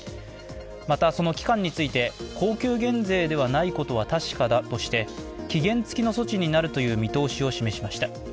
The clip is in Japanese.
また、その期間について恒久減税ではないことは確かだとして期限付きの措置になるという見通しを示しました。